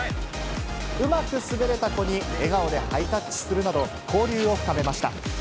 うまく滑れた子に笑顔でハイタッチするなど、交流を深めました。